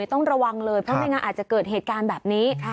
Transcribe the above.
ต้องระวังเลยเพราะไม่งั้นอาจจะเกิดเหตุการณ์แบบนี้